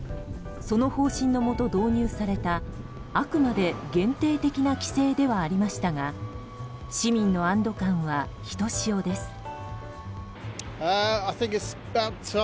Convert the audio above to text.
その方針のもと導入されたあくまで限定的な規制ではありましたが市民の安堵感は、ひとしおです。